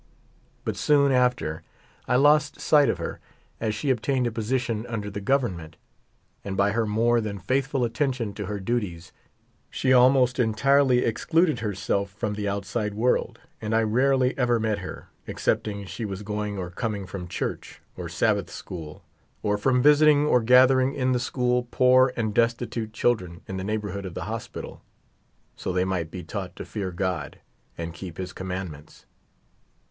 But soon after I lost sight of her, as she obtained a position under the Government, and by her more than faithful attention to her duties she almost entirely excluded herself from the outside world, and I rarely ever met her, excepting she was going or coming from church or Sabbath school, or from visiting or gath ering in the school poor and destitute children in the neighborhood of the hospital, so they might be taught to fear God and keep His Commandments.